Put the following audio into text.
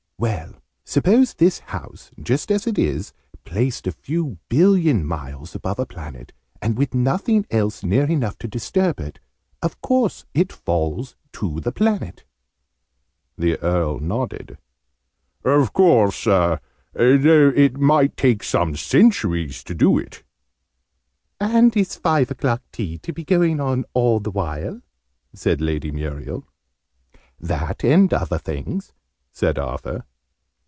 "Well, suppose this house, just as it is, placed a few billion miles above a planet, and with nothing else near enough to disturb it: of course it falls to the planet?" The Earl nodded. "Of course though it might take some centuries to do it." "And is five o'clock tea to be going on all the while?" said Lady Muriel. "That, and other things," said Arthur.